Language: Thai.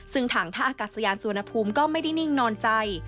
ซึ่งทางท่าอากาศยานสุวรรณภูมิก็ไม่ได้นิ่งนอนใจ